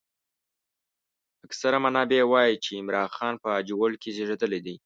اکثر منابع وايي چې عمرا خان په باجوړ کې زېږېدلی دی.